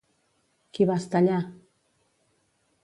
Qui va estar allà?